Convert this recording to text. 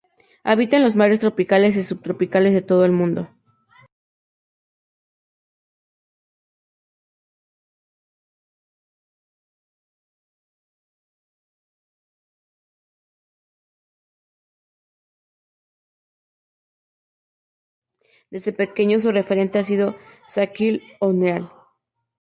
Desde pequeño, su referente ha sido Shaquille O´neal.